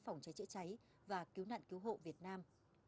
phòng cháy chữa cháy và cứu nạn cứu hộ việt nam